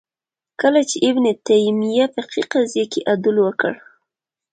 کله چې ابن تیمیه فقهې قضیې کې عدول وکړ